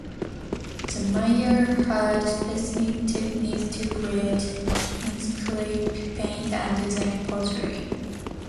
The Maya had specific techniques to create, inscribe, paint, and design pottery.